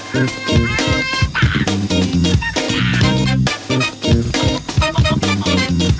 เพิ่มเวลา